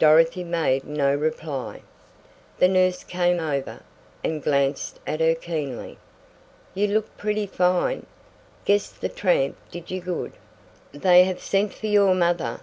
Dorothy made no reply. The nurse came over, and glanced at her keenly. "You look pretty fine. Guess the tramp did you good. They have sent for your mother.